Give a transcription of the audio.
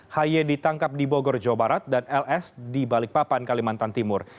haye ditangkap di bogor jawa barat dan ls di balikpapan kalimantan timur